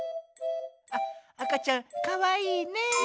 「あっあかちゃんかわいいね」。